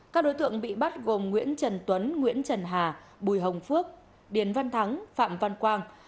các đối tượng bị bắt gồm nguyễn trần tuấn nguyễn trần hà bùi hồng phước điền văn thắng phạm văn quang